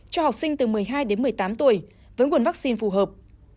cho học sinh từ một mươi hai đến một mươi tám tuổi với nguồn vaccine phù hợp